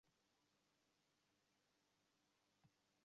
Se binne ek o sa djoer.